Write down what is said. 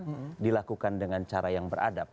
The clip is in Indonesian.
yang dilakukan dengan cara yang beradab